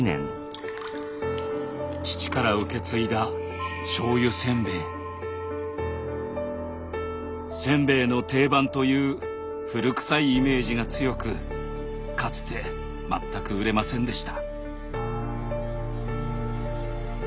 父から受け継いだ「せんべいの定番」という古くさいイメージが強くかつて全く売れませんでした。